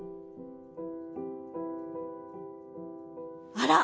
あら！